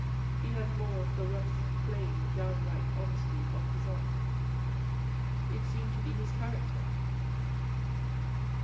He had more of the rough, plain, downright honesty of his art. It seemed to be his character.